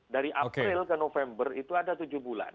dari april ke november itu ada tujuh bulan